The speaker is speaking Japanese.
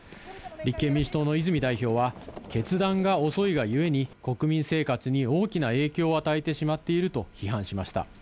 立憲民主党の泉代表は、決断が遅いがゆえに、国民生活に大きな影響を与えてしまっていると批判しました。